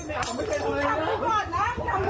เฮ้ยลูกใกล้บ้านกูนะ